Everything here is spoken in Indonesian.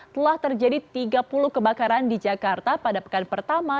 telah terjadi tiga puluh kebakaran di jakarta pada pekan pertama